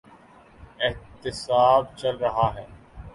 احتساب چل رہا ہے۔